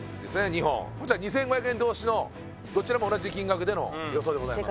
２本こちら２５００円同士のどちらも同じ金額での予想でございます